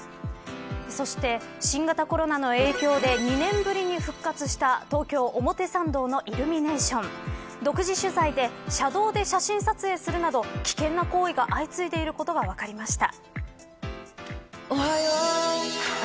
そして、新型コロナの影響で２年ぶりに復活した東京、表参道のイルミネーション独自取材で車道で写真撮影するなど危険な行為が相次いでいることが分かりました。